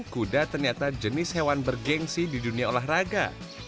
kuda ternyata jenis hewan bergensi di dunia olahraga